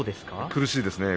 苦しいですね。